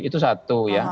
itu satu ya